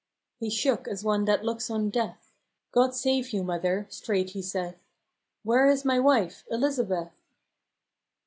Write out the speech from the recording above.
He shook as one that looks on death :" God save you, mother !" straight he saith: " Where is my wife, Elizabeth